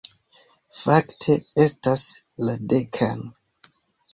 Fakte, estas la dekan...